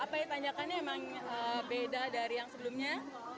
apa yang ditanyakan memang beda dari yang sebelumnya